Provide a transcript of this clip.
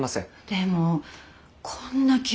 でもこんな急に。